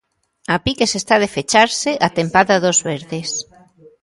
A piques está de fecharse a tempada dos verdes.